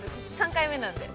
３回目なんで。